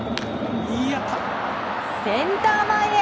センター前へ。